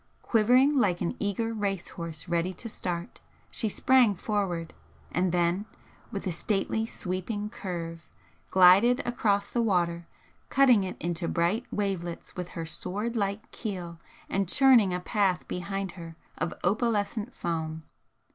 Quivering like an eager race horse ready to start, she sprang forward; and then, with a stately sweeping curve, glided across the water, catting it into bright wavelets with her sword like keel and churning a path behind her of opalescent foam.